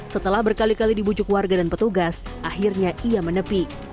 setelah berkali kali dibujuk warga dan petugas akhirnya ia menepi